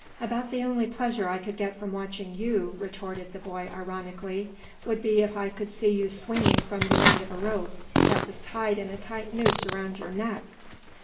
"About the only pleasure I could get from watching you," retorted the boy ironically, "would be if I could see you swinging from the end of a rope that was tied in a tight noose around your neck!"